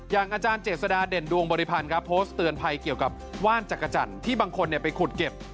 อาจารย์เจษฎาเด่นดวงบริพันธ์ครับโพสต์เตือนภัยเกี่ยวกับว่านจักรจันทร์ที่บางคนไปขุดเก็บ